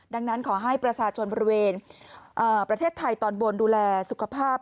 ดังนั้นขอให้ประชาชนบริเวณประเทศไทยตอนบนดูแลสุขภาพ